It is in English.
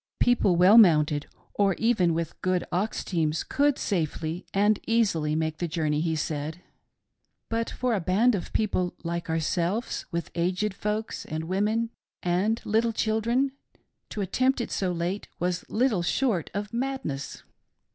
People well mounted, or even with good ox teams, could safely and easily make the journey, he said, but for a band of peo ple 'like ourselves, with aged folks, and women, and little children, to attempt it so late was little short of madness.